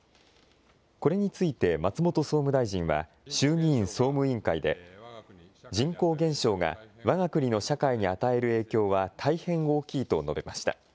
これについて松本総務大臣は衆議院総務委員会で人口減少がわが国の社会に与える影響は大変大きいと述べました。